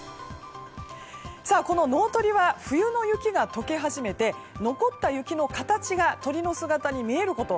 この農鳥は冬の雪が解け始めて残った雪の形が鳥の姿に見えること。